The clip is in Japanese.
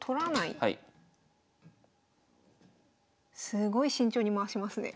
すごい慎重に回しますね。